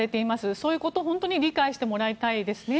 そういうことを本当に理解してもらいたいですね。